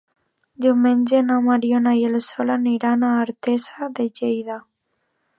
Diumenge na Mariona i en Sol aniran a Artesa de Lleida.